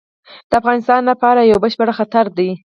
د افغانستان لپاره یو بشپړ خطر دی.